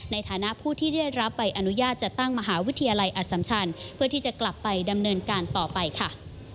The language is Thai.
ในฐานะผู้ที่ได้รับใบอนุญาตจัดตั้งมหาวิทยาลัยอสัมชันเพื่อที่จะกลับไปดำเนินการต่อไปค่ะ